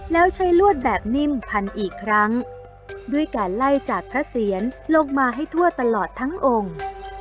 แล้วใช้ลวดแบบนิ่มพันอีกครั้งด้วยการไล่จากพระเสียรลงมาให้ทั่วตลอดทั้งองค์